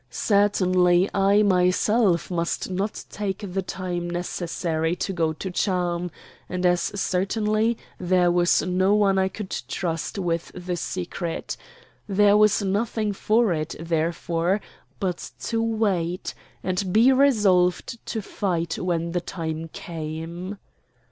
Certainly I myself must not take the time necessary to go to Charmes, and as certainly there was no one I could trust with the secret. There was nothing for it, therefore, but to wait, and be resolved to fight when the time came.